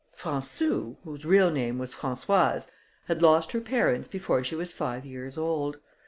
Françou, whose real name was Françoise, had lost her parents before she was five years old.